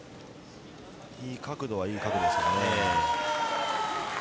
いい角度はいい角度ですよね。